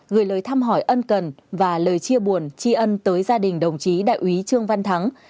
gửi lời thăm hỏi ân cần và lời chia buồn tri ân tới gia đình đồng chí đại úy trương văn thắng